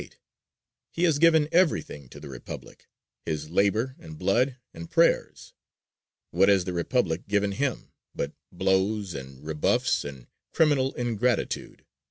He has given everything to the Republic, his labor and blood and prayers. What has the Republic given him, but blows and rebuffs and criminal ingratitude!